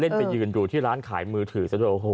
เล่นไปยืนอยู่ที่ร้านขายมือถือ